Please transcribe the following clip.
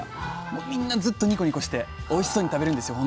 もうみんなずっとニコニコしておいしそうに食べるんですよ